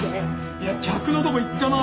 いや客のとこ行ったまま。